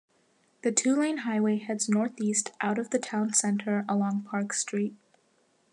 The two-lane highway heads northeast out of the town center along Park Street.